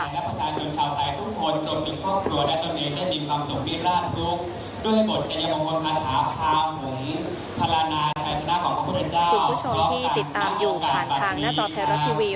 คุณผู้ชมที่ติดตามอยู่ผ่านทางหน้าจอไทยรัฐทีวี